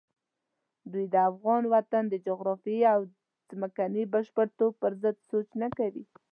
دوی د افغان وطن د جغرافیې او ځمکني بشپړتوب پرضد سوچ نه کوي.